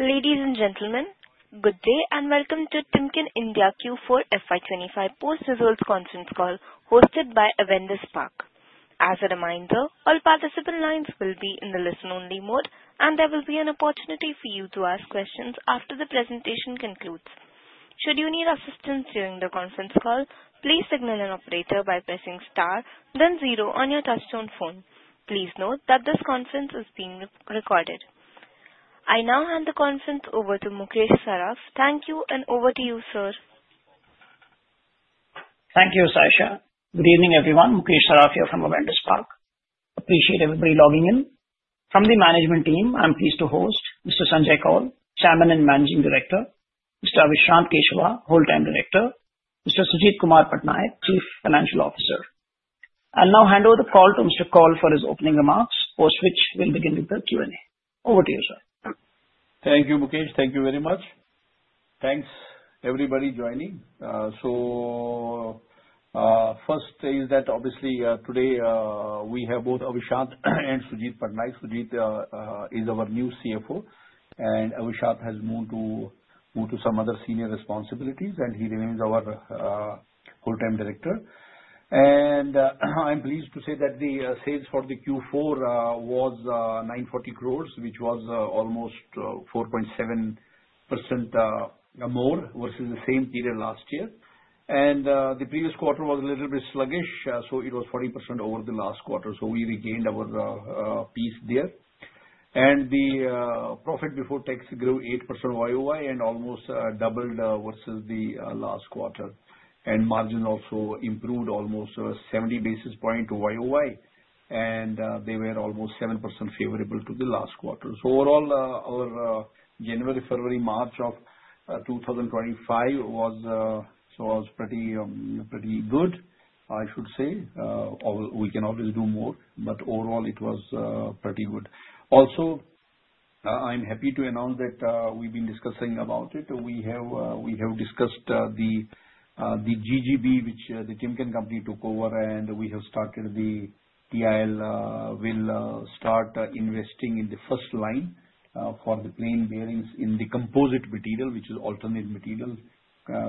Ladies and gentlemen, good day and welcome to Timken India Q4 FY25 Post-Result Conference Call, hosted by Avendus Spark. As a reminder, all participant lines will be in the listen-only mode, and there will be an opportunity for you to ask questions after the presentation concludes. Should you need assistance during the conference call, please signal an operator by pressing star, then zero on your touch-tone phone. Please note that this conference is being recorded. I now hand the conference over to Mukesh Saraf. Thank you, and over to you, sir. Thank you, Sasha. Good evening, everyone. Mukesh Saraf here from Avendus Spark. Appreciate everybody logging in. From the management team, I'm pleased to host Mr. Sanjay Koul, Chairman and Managing Director, Mr. Avishrant Keshava, Whole Time Director, Mr. Sujit Kumar Patnaik, Chief Financial Officer. I'll now hand over the call to Mr. Koul for his opening remarks, post which we'll begin with the Q&A. Over to you, sir. Thank you, Mukesh. Thank you very much. Thanks, everybody joining. So first is that, obviously, today we have both Avishrant and Sujit Patnaik. Sujit is our new CFO, and Avishrant has moved to some other senior responsibilities, and he remains our Whole Time Director. And I'm pleased to say that the sales for the Q4 was 940 crores, which was almost 4.7% more versus the same period last year. And the previous quarter was a little bit sluggish, so it was 40% over the last quarter. So we regained our peace there. And the profit before tax grew 8% YOY and almost doubled versus the last quarter. And margin also improved almost 70 basis points YOY, and they were almost 7% favorable to the last quarter. So overall, our January, February, March of 2025 was pretty good, I should say. We can always do more, but overall, it was pretty good. Also, I'm happy to announce that we've been discussing about it. We have discussed the GGB, which the Timken Company took over, and we have started the TIL, will start investing in the first line for the plain bearings in the composite material, which is alternate material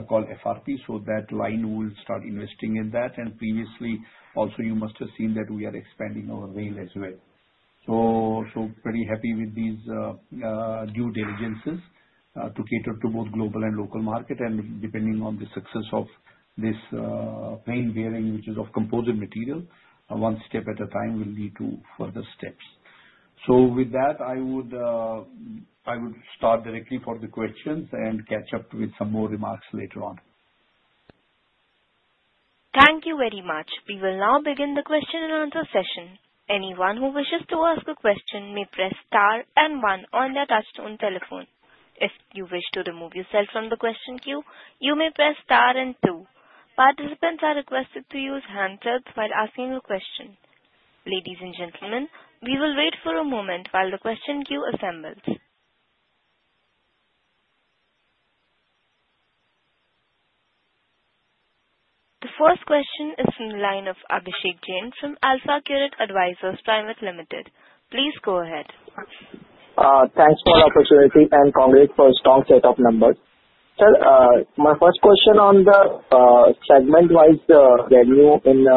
called FRP. So that line will start investing in that. And previously, also, you must have seen that we are expanding our rail as well. So pretty happy with these due diligences to cater to both global and local market. And depending on the success of this plain bearing, which is of composite material, one step at a time will lead to further steps. So with that, I would start directly for the questions and catch up with some more remarks later on. Thank you very much. We will now begin the question and answer session. Anyone who wishes to ask a question may press star and one on their touch-tone telephone. If you wish to remove yourself from the question queue, you may press star and two. Participants are requested to use handhelds while asking a question. Ladies and gentlemen, we will wait for a moment while the question queue assembles. The first question is from the line of Abhishek Jain from AlfAccurate Advisors Private Limited. Please go ahead. Thanks for the opportunity and congrats for a strong set of numbers. Sir, my first question on the segment-wise revenue in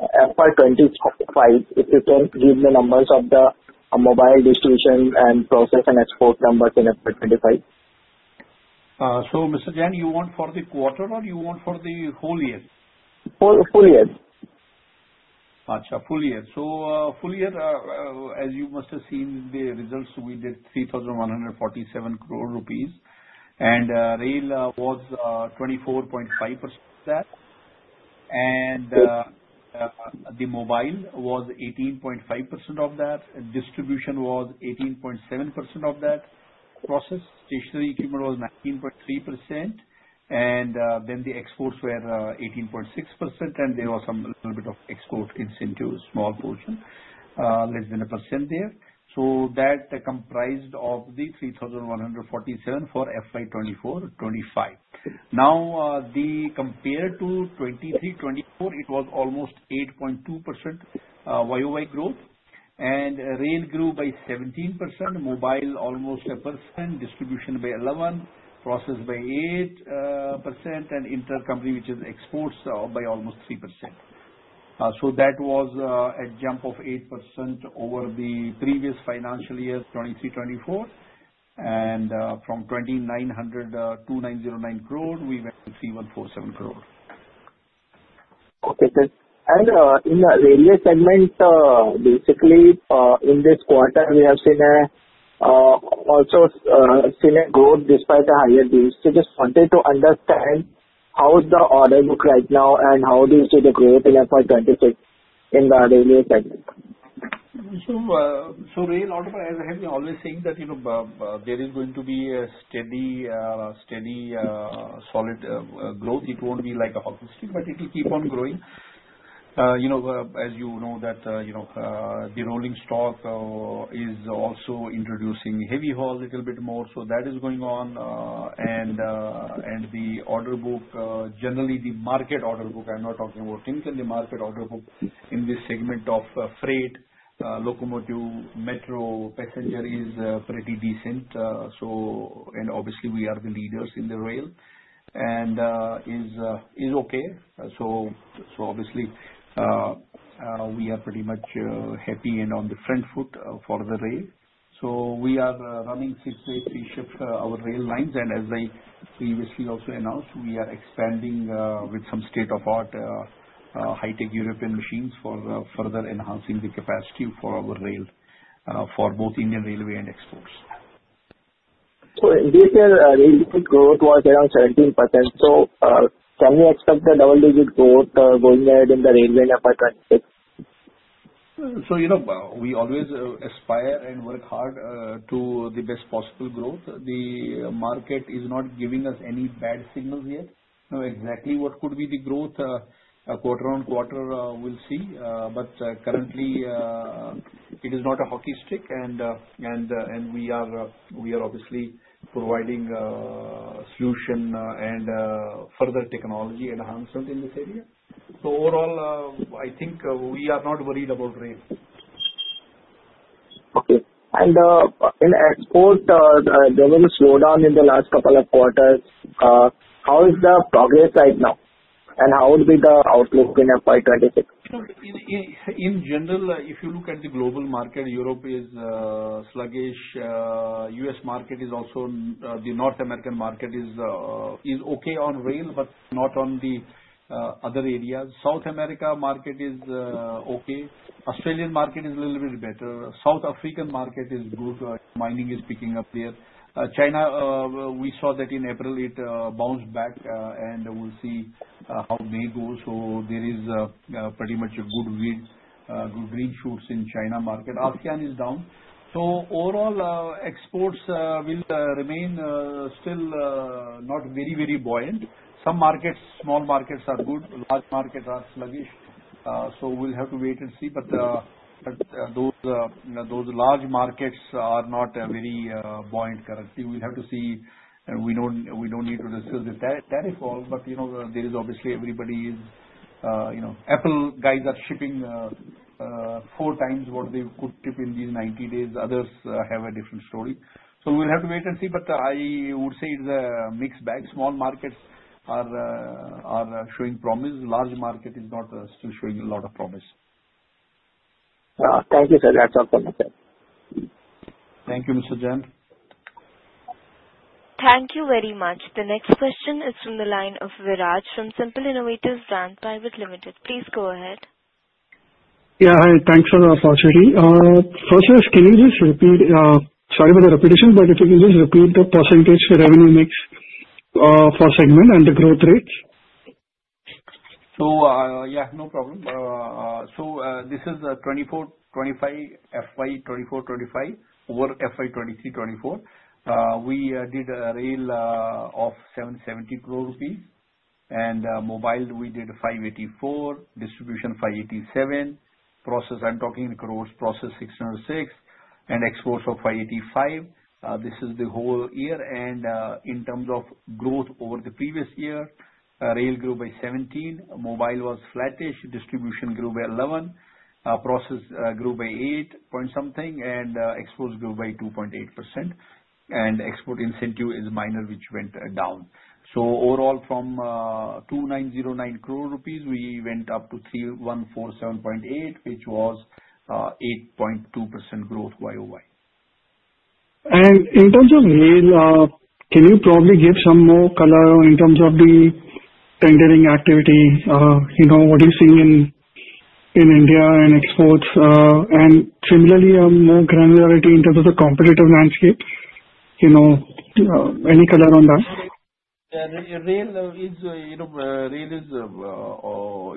FY25, if you can give the numbers of the mobile distribution and process and export numbers in FY25? So, Mr. Jain, you want for the quarter or you want for the whole year? Full year. Gotcha. Full year. So full year, as you must have seen in the results, we did 3,147 crore rupees, and rail was 24.5% of that. And the mobile was 18.5% of that. Distribution was 18.7% of that. Process, stationary equipment was 19.3%, and then the exports were 18.6%, and there was a little bit of export incentive, small portion, less than 1% there. So that comprised of the 3,147 for FY 2024-25. Now, compared to 2023-2024, it was almost 8.2% YOY growth, and rail grew by 17%, mobile almost 7%, distribution by 11%, process by 8%, and inter-company which is exports by almost 3%. So that was a jump of 8% over the previous financial year 2023-2024. And from 2,909 crore, we went to 3,147 crore. Okay, sir, and in the railway segment, basically, in this quarter, we have also seen a growth despite the higher base. So just wanted to understand how the order book looks right now and how do you see the growth in FY26 in the railway segment? So, rail order, as I have been always saying, that there is going to be a steady, solid growth. It won't be like a hockey stick, but it will keep on growing. As you know, the rolling stock is also introducing heavy haul a little bit more. So that is going on. And the order book, generally the market order book, I'm not talking about Timken, the market order book in this segment of freight, locomotive, metro, passenger is pretty decent. And obviously, we are the leaders in the rail and is okay. So obviously, we are pretty much happy and on the front foot for the rail. So we are running six to eight shifts for our rail lines. And as I previously also announced, we are expanding with some state-of-the-art high-tech European machines for further enhancing the capacity for our rail for both Indian Railways and exports. So in this year, rail growth was around 17%. So can we expect a double-digit growth going ahead in the railway in FY26? So we always aspire and work hard to the best possible growth. The market is not giving us any bad signals yet. Now, exactly what could be the growth, quarter on quarter, we'll see. But currently, it is not a hockey stick, and we are obviously providing solution and further technology enhancement in this area. So overall, I think we are not worried about rail. Okay, and in export, there was a slowdown in the last couple of quarters. How is the progress right now, and how would be the outlook in FY26? In general, if you look at the global market, Europe is sluggish. U.S. market is also the North American market is okay on rail, but not on the other areas. South America market is okay. Australian market is a little bit better. South African market is good. Mining is picking up there. China, we saw that in April, it bounced back, and we'll see how May goes. So there is pretty much a good green shoots in China market. ASEAN is down. So overall, exports will remain still not very, very buoyant. Some markets, small markets are good. Large markets are sluggish. So we'll have to wait and see. But those large markets are not very buoyant currently. We'll have to see. We don't need to discuss the tariff at all, but there is obviously everybody is Apple guys are shipping four times what they could ship in these 90 days. Others have a different story. So we'll have to wait and see. But I would say it's a mixed bag. Small markets are showing promise. Large market is not still showing a lot of promise. Thank you, sir. That's all for me, sir. Thank you, Mr. Jain. Thank you very much. The next question is from the line of Viraj from Securities Investment Management Private Limited. Please go ahead. Yeah, hi. Thanks for the opportunity. First, can you just repeat? Sorry for the repetition, but if you can just repeat the percentage revenue mix for segment and the growth rates. Yeah, no problem. This is the 24, 25, FY24, 25, over FY23, 24. We did rail of 770 crore rupees. And mobile, we did 584, distribution 587, process. I'm talking in crores, process 606, and exports of 585. This is the whole year. And in terms of growth over the previous year, rail grew by 17%, mobile was flattish, distribution grew by 11%, process grew by 8 point something%, and exports grew by 2.8%. And export incentive is minor, which went down. So overall, from 2909 crore rupees, we went up to 3147.8, which was 8.2% growth YOY. And in terms of rail, can you probably give some more color in terms of the tendering activity? What do you see in India and exports? And similarly, more granularity in terms of the competitive landscape. Any color on that? Yeah. Rail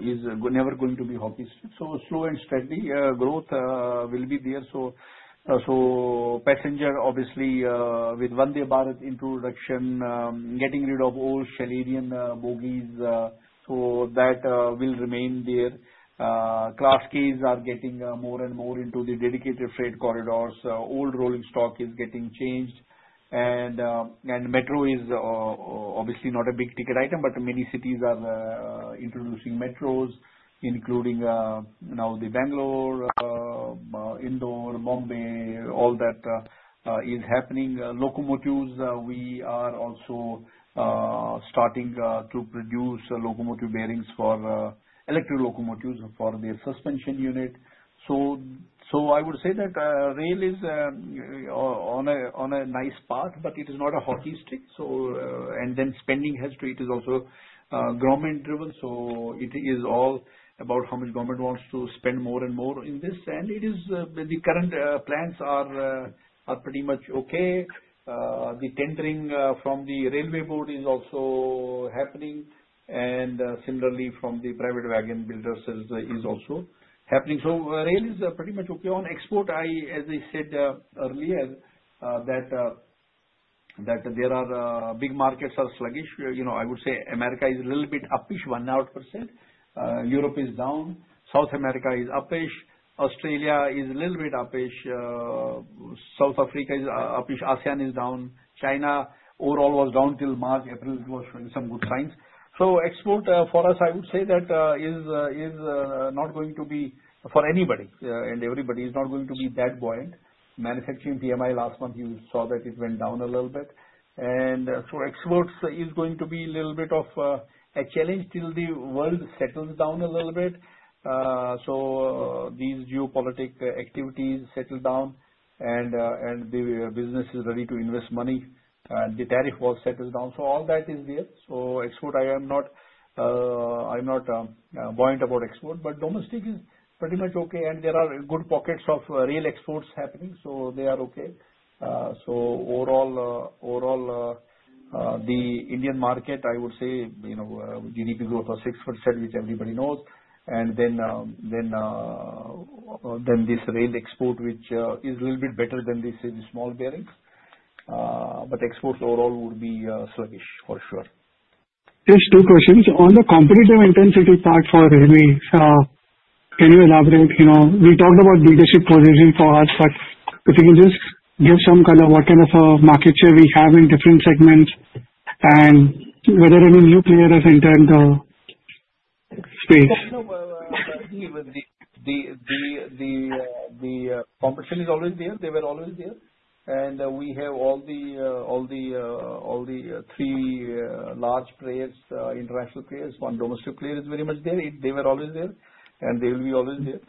is never going to be hockey stick. So slow and steady growth will be there. So passenger, obviously, with Vande Bharat introduction, getting rid of old Schlieren and bogies, so that will remain there. Class Ks are getting more and more into the Dedicated Freight Corridors. Old rolling stock is getting changed. And metro is obviously not a big ticket item, but many cities are introducing metros, including now the Bangalore, Indore, Bombay; all that is happening. Locomotives, we are also starting to produce locomotive bearings for electric locomotives for the suspension unit. So I would say that rail is on a nice path, but it is not a hockey stick. And then spending has to; it is also government-driven. So it is all about how much government wants to spend more and more in this. And the current plans are pretty much okay. The tendering from the Railway Board is also happening, and similarly, from the private wagon builders is also happening, so rail is pretty much okay. On export, as I said earlier, the big markets are sluggish. I would say America is a little bit upish, 1%. Europe is down. South America is upish. Australia is a little bit upish. South Africa is upish. ASEAN is down. China, overall, was down till March. April was showing some good signs. Export for us, I would say, is not going to be great for anybody, and everybody is not going to be that buoyant. Manufacturing PMI last month, you saw that it went down a little bit, and so exports is going to be a little bit of a challenge till the world settles down a little bit. So these geopolitical activities settle down, and the business is ready to invest money. The tariff was settled down. So all that is there. So export, I am not buoyant about export, but domestic is pretty much okay. And there are good pockets of rail exports happening, so they are okay. So overall, the Indian market, I would say GDP growth of 6%, which everybody knows. And then this rail export, which is a little bit better than these small bearings. But exports overall would be sluggish for sure. Just two questions. On the competitive intensity part for rail, can you elaborate? We talked about leadership position for us, but if you can just give some color what kind of market share we have in different segments and whether any new players have entered the space? The competition is always there. They were always there. And we have all the three large players, international players. One domestic player is very much there. They were always there, and they will be always there.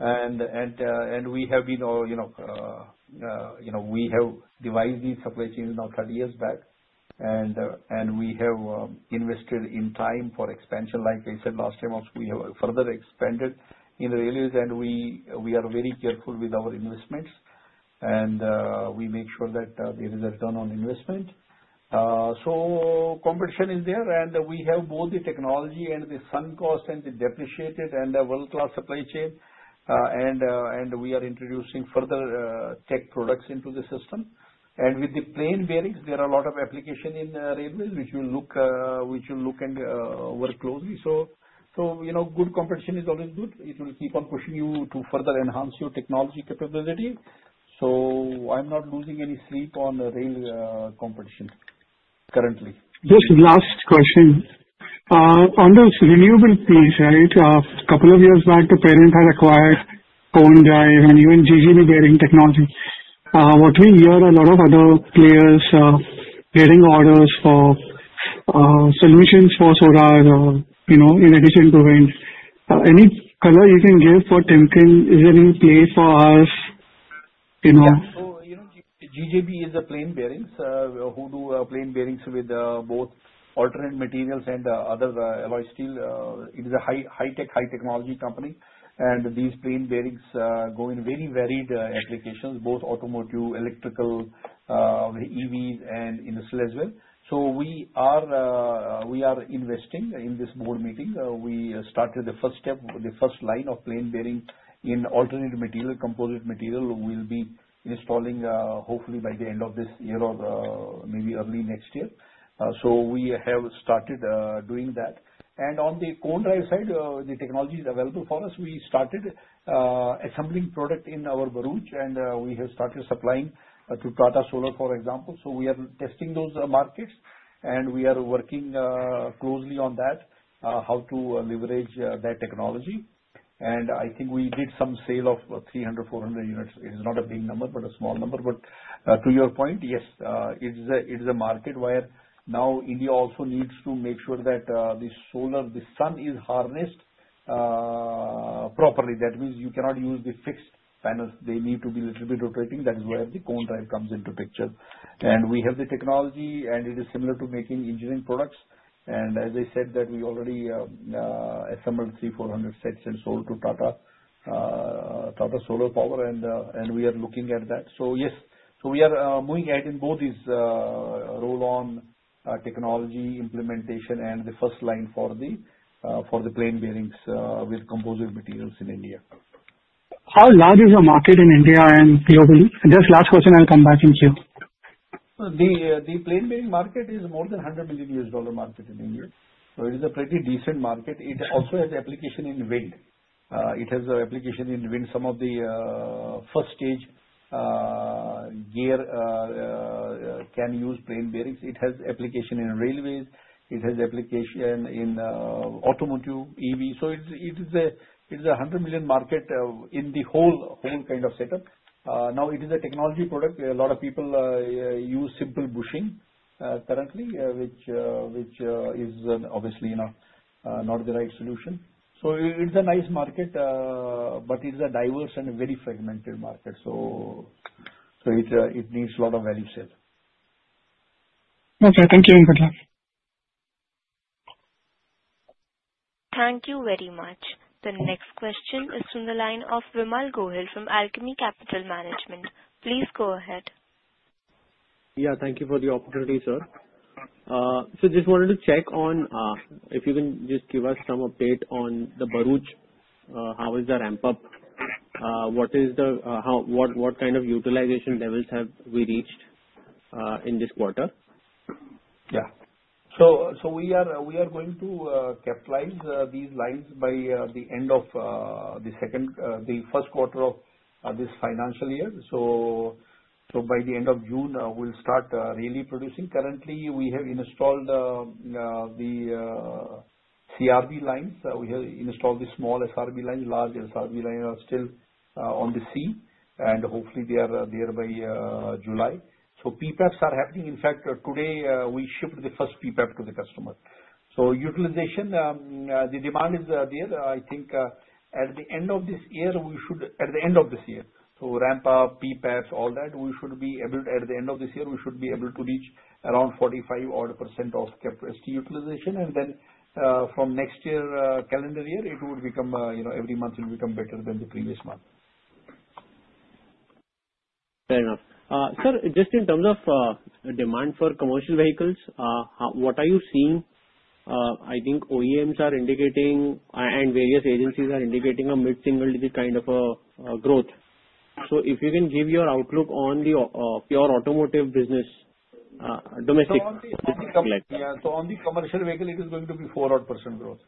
And we have been all we have devised these supply chains now 30 years back. And we have invested in time for expansion. Like I said last time also, we have further expanded in rails, and we are very careful with our investments. And we make sure that there is a return on investment. So competition is there, and we have both the technology and the sunk cost and the depreciated and the world-class supply chain. And we are introducing further tech products into the system. And with the plain bearings, there are a lot of applications in railways, which will look and work closely. So good competition is always good. It will keep on pushing you to further enhance your technology capability. So I'm not losing any sleep on rail competition currently. Just last question. On this renewable piece, right, a couple of years back, the parent had acquired Cone Drive and even GGB Bearing Technology. What we hear, a lot of other players getting orders for solutions for solar in addition to wind. Any color you can give for Timken? Is there any play for us? So GGB is a plain bearings. Who do plain bearings with both alternate materials and other alloy steel? It is a high-tech, high-technology company. And these plain bearings go in very varied applications, both automotive, electrical, EVs, and industrial as well. So we are investing in this board meeting. We started the first step, the first line of plain bearings in alternate material, composite material, will be installing hopefully by the end of this year or maybe early next year. So we have started doing that. And on the Cone Drive side, the technology is available for us. We started assembling product in our Bharuch, and we have started supplying to Tata Solar, for example. So we are testing those markets, and we are working closely on that, how to leverage that technology. And I think we did some sale of 300, 400 units. It is not a big number, but a small number. But to your point, yes, it is a market where now India also needs to make sure that the solar, the sun is harnessed properly. That means you cannot use the fixed panels. They need to be a little bit rotating. That is where the Cone Drive comes into picture. And we have the technology, and it is similar to making engineering products. And as I said, that we already assembled 3,400 sets and sold to Tata Power Solar, and we are looking at that. So yes, so we are moving ahead in both these roll-on technology implementation and the first line for the plain bearings with composite materials in India. How large is the market in India and globally? Just last question, I'll come back and queue. The plain bearing market is more than $100 million market in India. So it is a pretty decent market. It also has application in wind. Some of the first-stage gear can use plain bearings. It has application in railways. It has application in automotive, EV. So it is a $100 million market in the whole kind of setup. Now, it is a technology product. A lot of people use simple bushing currently, which is obviously not the right solution. So it's a nice market, but it is a diverse and very fragmented market. So it needs a lot of value sale. Okay. Thank you, Mr. Sanjay. Thank you very much. The next question is from the line of Vimal Gohil from Alchemy Capital Management. Please go ahead. Yeah, thank you for the opportunity, sir. So just wanted to check on if you can just give us some update on the Bharuch, how is the ramp-up? What kind of utilization levels have we reached in this quarter? Yeah. We are going to capacitate these lines by the end of the first quarter of this financial year. By the end of June, we'll start really producing. Currently, we have installed the CRB lines. We have installed the small SRB lines. Large SRB lines are still on the sea, and hopefully they are there by July. PPAPs are happening. In fact, today, we shipped the first PPAP to the customer. Utilization, the demand is there. I think at the end of this year, so ramp-up, PPAPs, all that, we should be able to reach around 45-odd% of capacity utilization. Then from next year, calendar year, it would become, every month will become better than the previous month. Fair enough. Sir, just in terms of demand for commercial vehicles, what are you seeing? I think OEMs are indicating and various agencies are indicating a mid-single-digit kind of growth. So if you can give your outlook on the pure automotive business, domestic. Yeah. So on the commercial vehicle, it is going to be four odd % growth.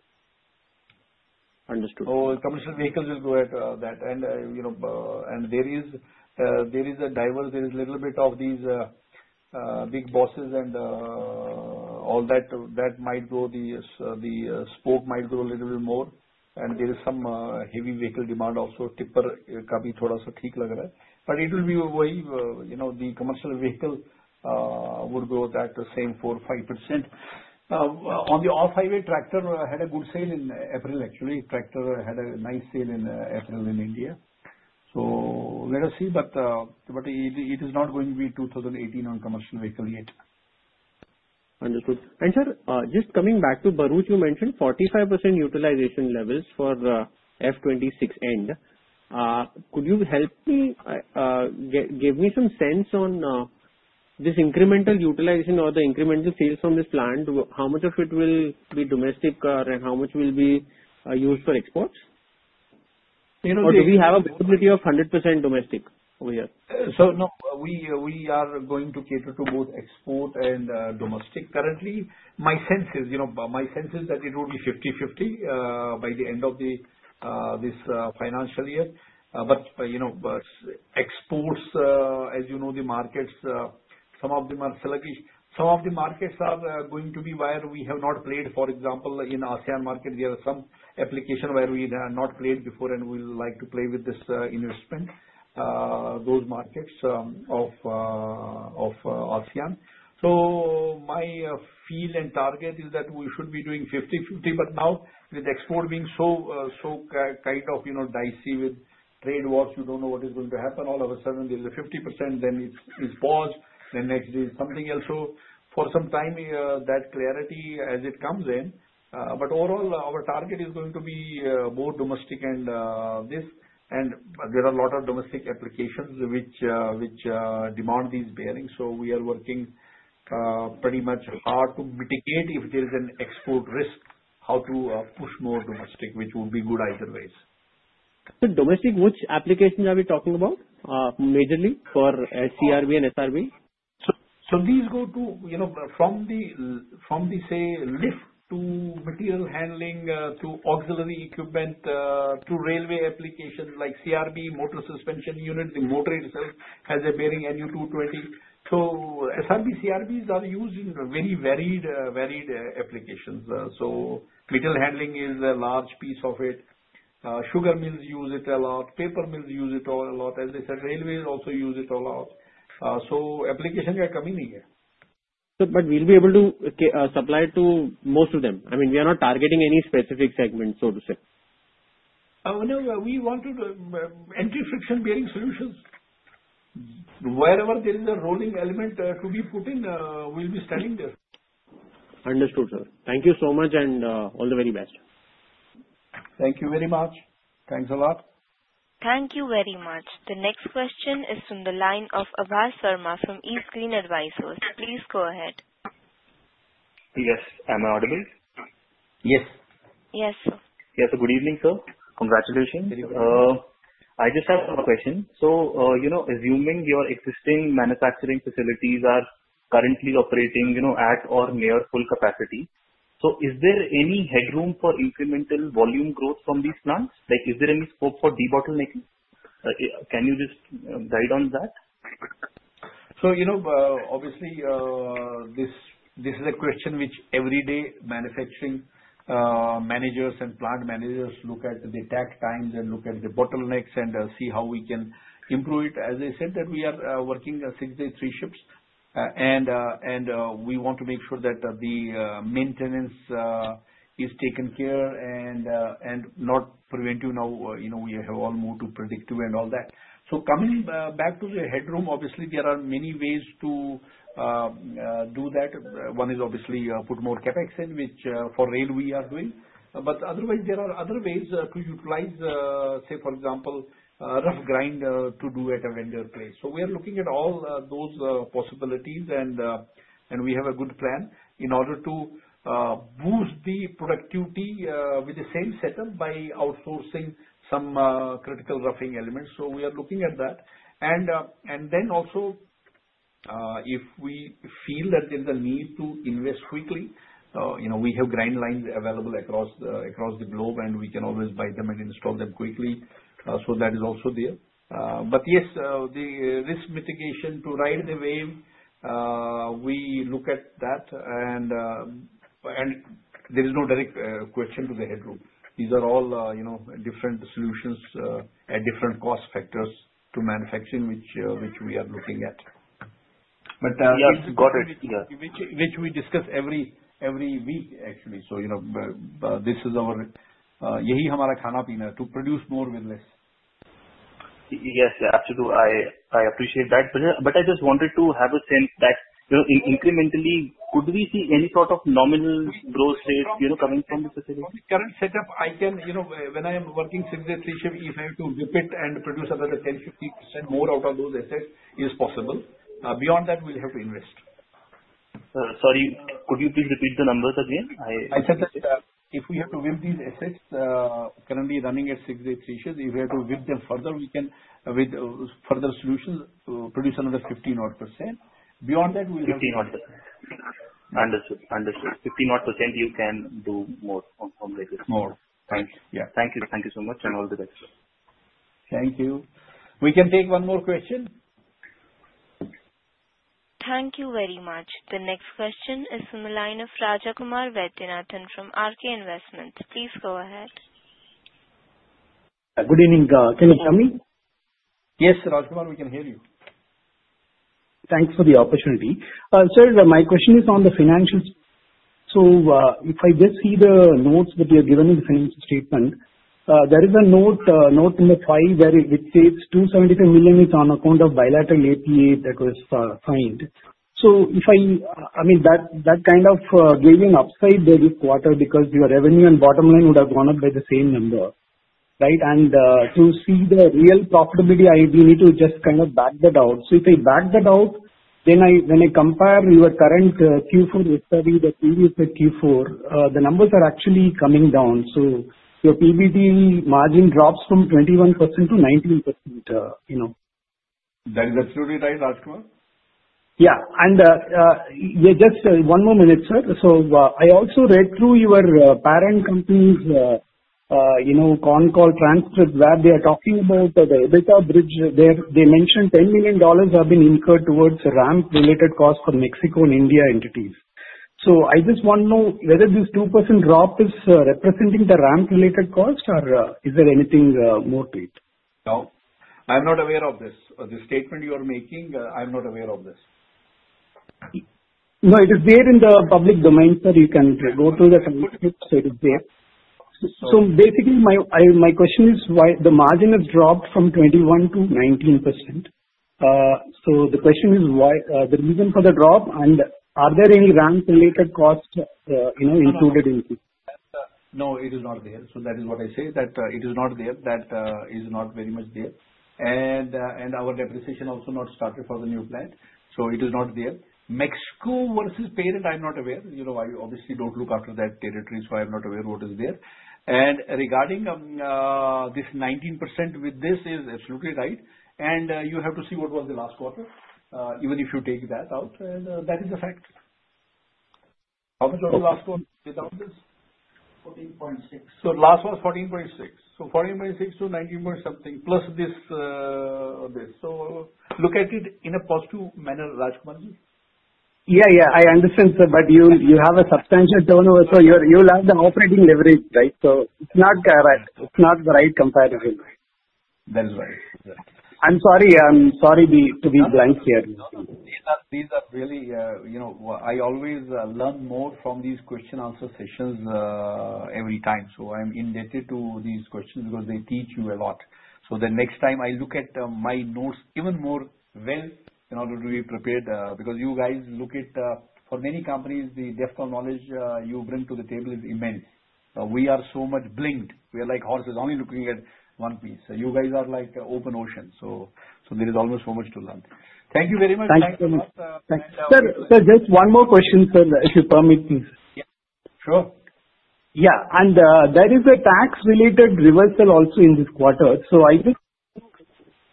Understood. So commercial vehicles will go at that. There is a diverse. There is a little bit of these big buses and all that. That might grow. The spoke might grow a little bit more. And there is some heavy vehicle demand also. Tipper coming though, so this looking like that. But it will be the way the commercial vehicle would grow that same 4-5%. On the off-highway, tractor had a good sale in April, actually. Tractor had a nice sale in April in India. So let us see. But it is not going to be 2018 on commercial vehicle yet. Understood. And sir, just coming back to Bharuch, you mentioned 45% utilization levels for F26N. Could you help me, give me some sense on this incremental utilization or the incremental sales from this plant? How much of it will be domestic car and how much will be used for exports? Or do we have a possibility of 100% domestic over here? So no, we are going to cater to both export and domestic currently. My sense is that it will be 50-50 by the end of this financial year. But exports, as you know, the markets, some of them are sluggish. Some of the markets are going to be where we have not played. For example, in ASEAN market, there are some applications where we have not played before and we would like to play with this investment, those markets of ASEAN. So my feel and target is that we should be doing 50-50. But now, with export being so kind of dicey with trade wars, you don't know what is going to happen. All of a sudden, there is a 50%, then it's paused, then next day is something else. So for some time, that clarity as it comes in. But overall, our target is going to be more domestic and this. And there are a lot of domestic applications which demand these bearings. So we are working pretty much hard to mitigate if there is an export risk, how to push more domestic, which would be good either ways. So domestic, which applications are we talking about majorly for CRB and SRB? So these go from the, say, lift to material handling to auxiliary equipment to railway applications like CRB, motor suspension unit. The motor itself has a bearing NU220. So SRB, CRBs are used in very varied applications. So material handling is a large piece of it. Sugar mills use it a lot. Paper mills use it all a lot. As I said, railways also use it a lot. So applications are coming here. But we'll be able to supply to most of them. I mean, we are not targeting any specific segment, so to say. We want to do anti-friction bearing solutions. Wherever there is a rolling element to be put in, we'll be standing there. Understood, sir. Thank you so much, and all the very best. Thank you very much. Thanks a lot. Thank you very much. The next question is from the line of Aabhas Verma from East Lane Capital. Please go ahead. Yes. Am I audible? Yes. Yes, sir. Yes, sir. Good evening, sir. Congratulations. I just have a question. So assuming your existing manufacturing facilities are currently operating at or near full capacity, so is there any headroom for incremental volume growth from these plants? Is there any scope for debottlenecking? Can you just guide on that? So obviously, this is a question which every day manufacturing managers and plant managers look at the takt times and look at the bottlenecks and see how we can improve it. As I said, that we are working six-day three shifts, and we want to make sure that the maintenance is taken care of and not preventive. Now, we have all moved to predictive and all that. So coming back to the headroom, obviously, there are many ways to do that. One is obviously put more CapEx in, which for rail we are doing. But otherwise, there are other ways to utilize, say, for example, rough grind to do at a vendor place. So we are looking at all those possibilities, and we have a good plan in order to boost the productivity with the same setup by outsourcing some critical roughing elements. So we are looking at that. And then also, if we feel that there is a need to invest quickly, we have grind lines available across the globe, and we can always buy them and install them quickly. So that is also there. But yes, the risk mitigation to ride the wave, we look at that. And there is no direct question to the headroom. These are all different solutions at different cost factors to manufacturing, which we are looking at. Yes, got it. Which we discuss every week, actually. So this is our yahi hamara khana pina to produce more with less. Yes, absolutely. I appreciate that. But I just wanted to have a sense that incrementally, could we see any sort of nominal growth rate coming from the facility? On the current setup, I can, when I am working six-day three shifts, if I have to whip it and produce another 10%-15% more out of those assets, it is possible. Beyond that, we'll have to invest. Sorry, could you please repeat the numbers again? I said that if we have to whip these assets currently running at six-day three shifts, if we have to whip them further, we can, with further solutions, produce another 15 odd %. Beyond that, we'll have. 15 odd %. Understood. Understood. 15 odd %, you can do more on basis. More. Thank you. Yeah. Thank you. Thank you so much and all the best. Thank you. We can take one more question. Thank you very much. The next question is from the line of Rajakumar Vaidyanathan from RK Investments. Please go ahead. Good evening. Can you hear me? Yes, Rajakumar, we can hear you. Thanks for the opportunity. Sir, my question is on the financial. So if I just see the notes that you have given in the financial statement, there is a note in the file where it states 272 million is on account of bilateral APA that was signed. So I mean, that kind of gave an upside this quarter because your revenue and bottom line would have gone up by the same number, right? And to see the real profitability, we need to just kind of back that out. So if we back that out, then when I compare your current Q4 with the previous Q4, the numbers are actually coming down. So your PBT margin drops from 21% to 19%. That is absolutely right, Rajakumar. Yeah. And just one more minute, sir. So I also read through your parent company's con call transcript where they are talking about the EBITDA bridge. They mentioned $10 million have been incurred towards ramp-related costs for Mexico and India entities. So I just want to know whether this 2% drop is representing the ramp-related cost, or is there anything more to it? No. I'm not aware of this. The statement you are making, I'm not aware of this. No, it is there in the public domain, sir. You can go through the transcript, so it is there. So basically, my question is why the margin has dropped from 21% to 19%. So the question is the reason for the drop, and are there any ramp-related costs included in it? No, it is not there, so that is what I say, that it is not there. That is not very much there, and our depreciation also not started for the new plant, so it is not there. Mexico versus peers, I'm not aware. I obviously don't look after that territory, so I'm not aware what is there, and regarding this 19% with this, it is absolutely right, and you have to see what was the last quarter, even if you take that out, and that is a fact. How much was the last quarter without this? 14.6, so last was 14.6, so 14.6 to 19 point something plus this, so look at it in a positive manner, Rajakumarji. Yeah, yeah. I understand, sir. But you have a substantial turnover. So you'll have the operating leverage, right? So it's not the right comparison. That is right. That's right. I'm sorry. I'm sorry to be blank here. These are really. I always learn more from these question-answer sessions every time. So I'm indebted to these questions because they teach you a lot. So the next time, I look at my notes even more well in order to be prepared because you guys look at, for many companies, the depth of knowledge you bring to the table is immense. We are so much blinkered. We are like horses, only looking at one piece. So you guys are like an open ocean. So there is almost so much to learn. Thank you very much. Thanks a lot. Sir, just one more question, sir, if you permit. Yeah. Sure. Yeah. And there is a tax-related reversal also in this quarter. So I think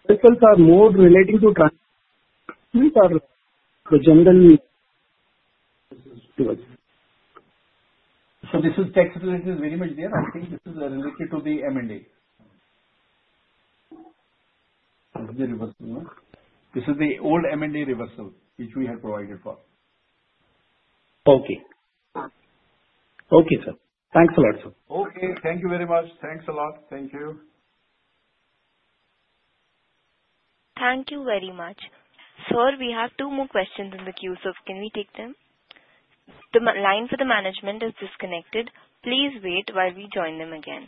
reversals are more relating to transactions or the general reversal? So, this is tax-related, is very much there. I think this is related to the M&A. This is the old M&A reversal, which we had provided for. Okay. Okay, sir. Thanks a lot, sir. Okay. Thank you very much. Thanks a lot. Thank you. Thank you very much. Sir, we have two more questions in the queue, so can we take them? The line for the management is disconnected. Please wait while we join them again.